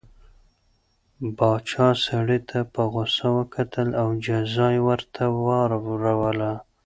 پاچا سړي ته په غوسه وکتل او جزا یې ورته واوروله.